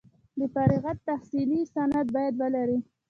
د فراغت تحصیلي سند باید ولري.